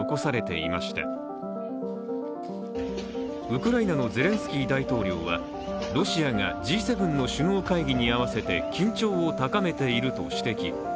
ウクライナのゼレンスキー大統領はロシアがＧ７の首脳会議に合わせて緊張を高めていると指摘。